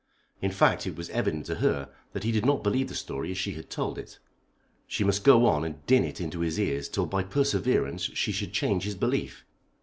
In fact, it was evident to her that he did not believe the story as she had told it. She must go on and din it into his ears till by perseverance she should change his belief.